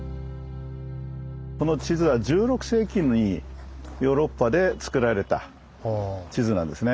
この地図は１６世紀にヨーロッパで作られた地図なんですね。